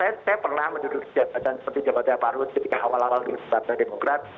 saya saya pernah menduduk di jabatan seperti jabatan pak arhut ketika awal awal di partai demokrat